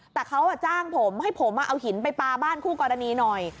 แต่เขาจ้างผมให้ผมเอาหินไปปลาบ้านคู่กรณีหน่อย